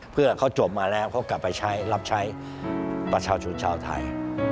เพื่อเขาจบมาแล้วเขากลับไปใช้รับใช้ประชาชนชาวไทย